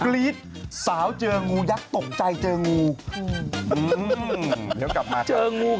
กรี๊ดสาวเจองูยักษ์ตกใจเจองู